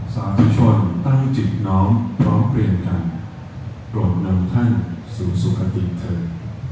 สาธิชนตั้งจิตน้องร้องเปลี่ยนกันรวมนำท่านสู่สุขติดเถิด